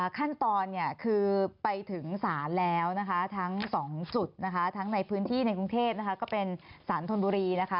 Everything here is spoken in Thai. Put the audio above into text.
ขั้นตอนเนี่ยคือไปถึงศาลแล้วนะคะทั้ง๒จุดนะคะทั้งในพื้นที่ในกรุงเทพนะคะก็เป็นสารธนบุรีนะคะ